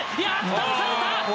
倒された！